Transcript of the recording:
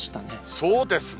そうですね。